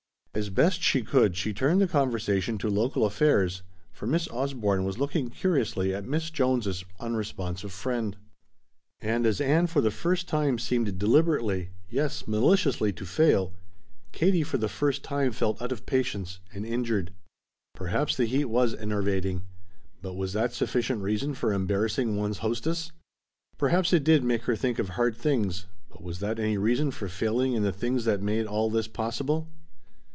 As best she could she turned the conversation to local affairs, for Miss Osborne was looking curiously at Miss Jones' unresponsive friend. And as Ann for the first time seemed deliberately yes, maliciously to fail Katie for the first time felt out of patience, and injured. Perhaps the heat was enervating, but was that sufficient reason for embarrassing one's hostess? Perhaps it did make her think of hard things, but was that any reason for failing in the things that made all this possible?